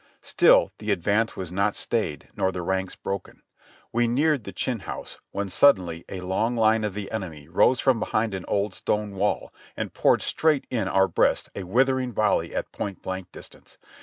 Still the advance was not stayed nor the ranks broken. We neared the Chinn House, when suddenly a long line of the enemy rose from behind an old stone wall and poured straight in our breasts a withering volley at point blank distance.